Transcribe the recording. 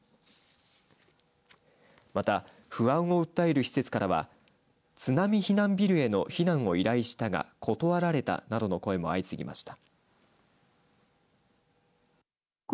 また、不安を訴える施設からは津波避難ビルへの避難を依頼したが断られたなどの声も相次ぎました。